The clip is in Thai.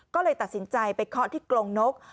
ก็เลยตัดสินใจไปเคาะที่กรงนก